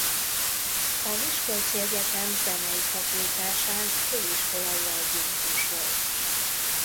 A Miskolci Egyetem zenei fakultásán főiskolai adjunktus volt.